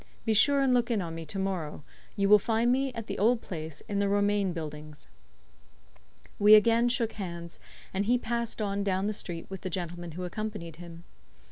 Be sure and look in on me to morrow. You will find me at the old place, in the Romain Buildings." We again shook hands, and he passed on down the street with the gentleman who accompanied him.